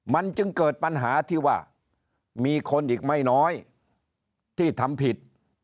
มันจึงเกิดปัญหาที่ว่ามีคนอีกไม่น้อยที่ทำผิด